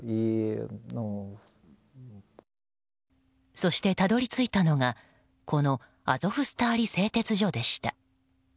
そしてたどり着いたのがこのアゾフスターリ製鉄所でした。